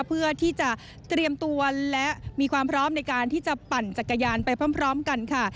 เพื่อที่จะเตรียมตัวและมีความพร้อมในการที่จะปั่นจักรยานไปพร้อมกันค่ะ